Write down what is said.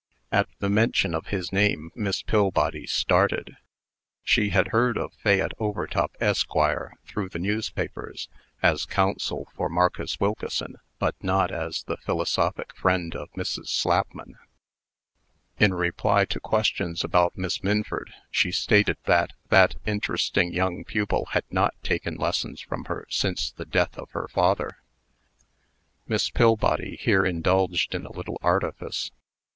At the mention of his name, Miss Pillbody started. She had heard of Fayette Overtop, Esq., through the newspapers, as counsel for Marcus Wilkeson; but not as the philosophic friend of Mrs. Slapman. In reply to questions about Miss Minford, she stated that that interesting young pupil had not taken lessons from her since the death of her father. Miss Pillbody here indulged in a little artifice.